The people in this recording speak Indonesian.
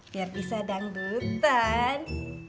biar bisa dangdutan